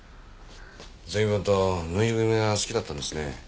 随分とぬいぐるみが好きだったんですね。